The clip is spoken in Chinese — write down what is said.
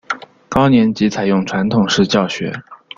高年级采用传统式教学。